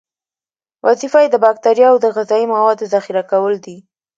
وظیفه یې د باکتریاوو د غذایي موادو ذخیره کول دي.